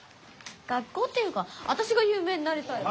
学校っていうかわたしがゆう名になりたい。